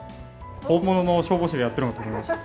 本物の消防士がやってるのかと思いました。